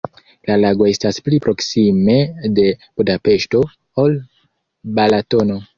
La lago estas pli proksime de Budapeŝto, ol Balatono.